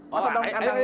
masa daun kandang